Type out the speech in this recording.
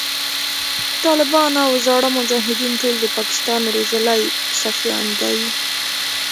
ټالبان او زاړه مجایدین ټول د پاکستان روزلی سفیان دی